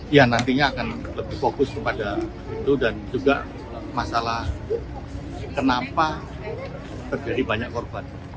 ya nantinya akan lebih fokus kepada itu dan juga masalah kenapa terjadi banyak korban